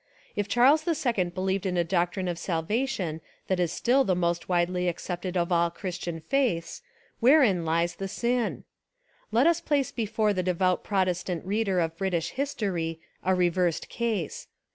If Charles II believed in a doctrine of salvation that is still the most widely accepted of all Christian faiths, wherein lies the sin? Let us place before the devout Protestant reader of British history a reversed case.